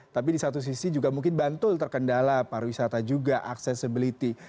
tapi di satu sisi juga mungkin bantul terkendala pariwisata juga accessibility